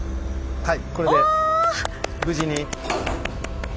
はい。